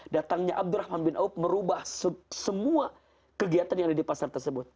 datangnya abdurrahman bin aub merubah semua kegiatan yang ada di pasar tersebut